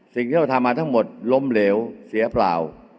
สิ่งที่เราทำมาทั้งหมดล้มเหลวเสียเปล่า